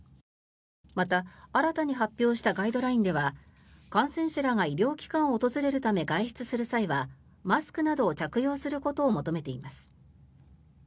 また、新たに発表したガイドラインでは感染者らが医療機関を訪れるため外出する際はマスクなどを着用することを求めています。